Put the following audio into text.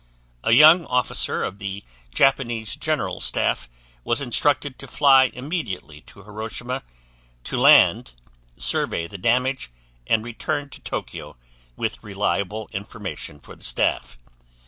A young officer of the Japanese General Staff was instructed to fly immediately to Hiroshima, to land, survey the damage, and return to Tokyo with reliable information for the staff.